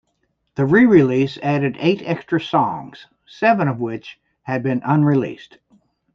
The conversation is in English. The re-release added eight extra songs, seven of which had been unreleased.